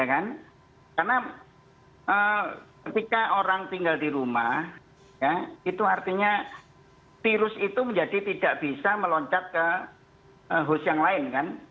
karena ketika orang tinggal di rumah ya itu artinya virus itu menjadi tidak bisa meloncat ke host yang lain kan